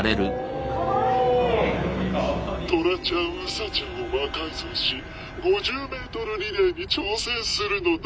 「トラちゃんウサちゃんを魔改造し５０ｍリレーに挑戦するのだ」。